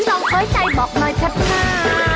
ลองเคยใจบอกหน่อยจ้ะจ้า